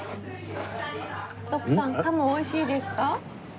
徳さん鴨美味しいですか？